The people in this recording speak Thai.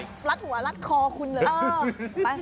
ไม่ต้องลัดหัวลัดคอคุณเลย